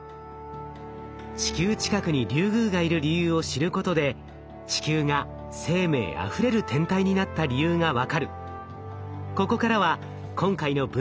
地球近くにリュウグウがいる理由を知ることで地球が生命あふれる天体になった理由が分かる。